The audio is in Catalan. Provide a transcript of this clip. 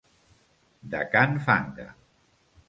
De can Fanga.